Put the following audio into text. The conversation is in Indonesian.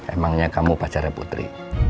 emangnya kamu pacarnya putri